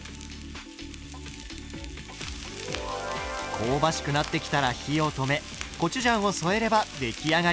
香ばしくなってきたら火を止めコチュジャンを添えれば出来上がり。